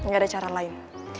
ga ada cara lain